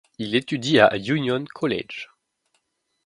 Il étudie à Union College.